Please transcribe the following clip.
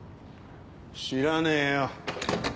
知らねえよ。